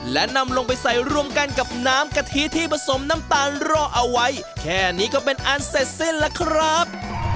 และนำลงไปใส่รวมกันกับน้ำกะทิที่ผสมน้ำตาลรอเอาไว้แค่นี้ก็เป็นอันเสร็จสิ้นแล้วครับ